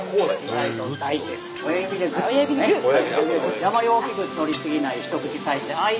あんまり大きく取り過ぎないひと口サイズで。